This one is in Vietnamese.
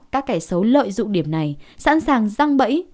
các kẻ xấu lợi dụng điểm này sẵn sàng răng bẫy